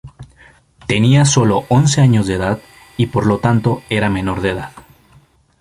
Tenía sólo once años de edad y por lo tanto era menor de edad.